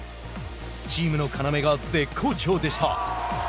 チームの要が絶好調でした。